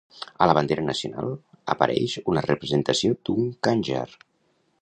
A la bandera nacional apareix una representació d'un khanjar.